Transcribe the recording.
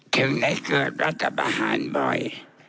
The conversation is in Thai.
ถึงได้เกิดรัฐประหารบ่อย